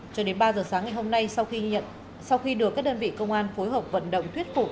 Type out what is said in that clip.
cho đến ba giờ sáng ngày hôm nay sau khi được các đơn vị công an phối hợp vận động thuyết phụ